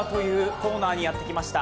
コーナーにやってきました。